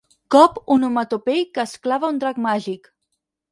Cop onomatopeic que es clava un drac màgic.